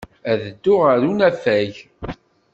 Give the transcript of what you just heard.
Ad dduɣ ɣer unafag.